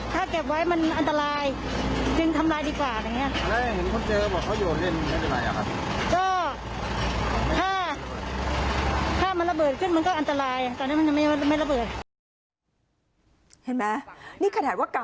ถ้าเก็บไว้มันอันตรายจึงทำลายดีกว่า